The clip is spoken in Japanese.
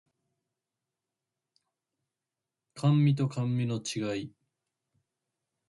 甘味と甘味の違い